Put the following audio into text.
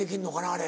あれ。